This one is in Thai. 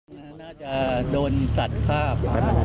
น่าจะโดนสัดภาพ